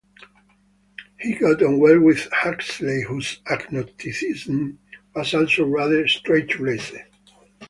He got on well with Huxley, whose agnosticism was also rather straight-laced.